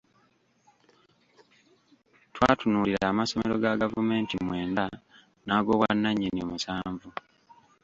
Twatunuulira amasomero ga gavumenti mwenda nag’obwannannyini musanvu.